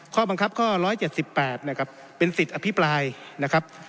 ข้อบังคับข้อ๑๗๘นะครับเป็นสิทธิ์อภิปรายนะครับ